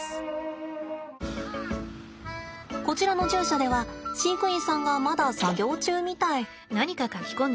こちらの獣舎では飼育員さんがまだ作業中みたい。